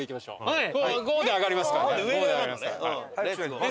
はい。